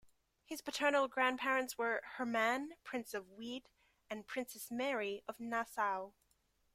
His paternal grandparents were Hermann, Prince of Wied, and Princess Marie of Nassau.